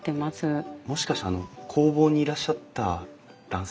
もしかしてあの工房にいらっしゃった男性？